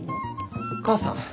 母さん！？